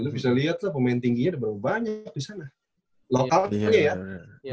lo bisa liat lah pemain tingginya ada berapa banyak di sana localnya ya